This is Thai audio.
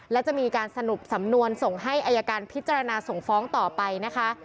และจะมีการสรุปสำนวนส่งให้อายการพิจารณาส่งฟ้องต่อไปนะคะ